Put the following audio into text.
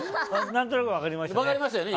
何となく分かりましたね。